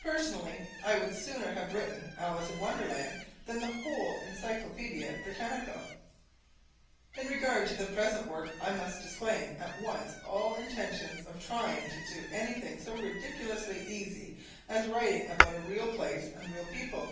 Personally, I would sooner have written "Alice in Wonderland" than the whole Encyclopaedia Britannica. In regard to the present work I must disclaim at once all intentions of trying to do anything so ridiculously easy as writing about a real place and real people.